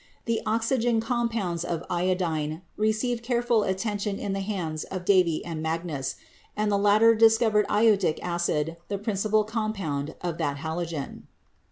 The oxygen compounds of iodine received careful attention in the hands of Davy and Magnus, and the latter discovered iodic acid, the principal compound of that halogen.